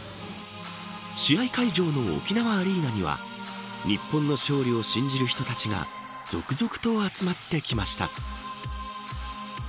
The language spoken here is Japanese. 試合会場の沖縄アリーナには日本の勝利を信じる人たちが続々と集まってきました。